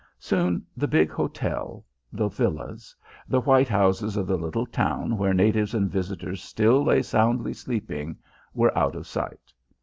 Soon the big hotel, the villas, the white houses of the little town where natives and visitors still lay soundly sleeping, were out of sight.